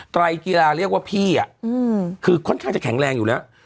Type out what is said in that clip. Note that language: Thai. ไรกีฬาเรียกว่าพี่คือค่อนข้างจะแข็งแรงอยู่แล้ว